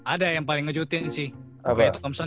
ada yang paling ngejutin sih concern